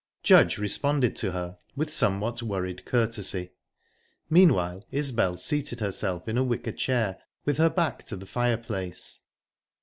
Judge responded to her with somewhat worried courtesy. Meanwhile Isbel seated herself in a wicker chair, with her back to the fireplace.